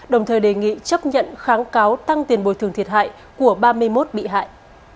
đồng thời đề nghị chấp nhận kháng cáo tăng tiền bồi thường thiệt hại của ba mươi một bị hại